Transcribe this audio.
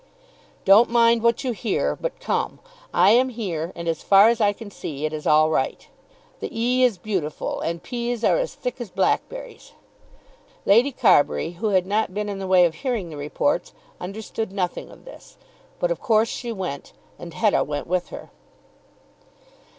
"Don't mind what you hear; but come. I am here and as far as I can see it is all right. The E. is beautiful, and P.'s are as thick as blackberries." Lady Carbury, who had not been in the way of hearing the reports, understood nothing of this; but of course she went. And Hetta went with her.